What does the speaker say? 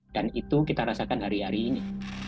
dan itu kita rasakan hari hari ini